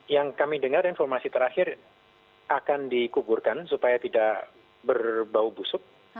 yang kami dengar informasi terakhir akan dikuburkan supaya tidak berbau busuk